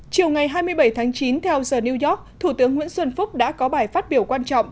chiều ngày hai mươi bảy tháng chín theo giờ new york thủ tướng nguyễn xuân phúc đã có bài phát biểu quan trọng